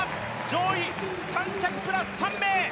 上位３着プラス３名！